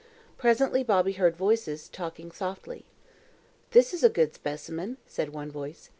Presently Bobby heard voices talking softly. "This is a good specimen," said one voice.